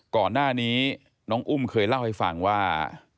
ก่อนหน้านี้น้องอุ้มเคยเล่าให้ฟังว่า